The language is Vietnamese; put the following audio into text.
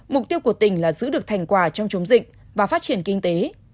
mục tiêu của tỉnh là giữ được thành quả trong chống dịch và phát triển kinh tế